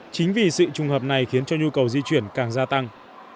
chính vì sự trùng hợp này khiến cho nhu cầu di chuyển càng gia tăng